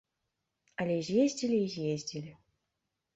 Але з'ездзілі і з'ездзілі.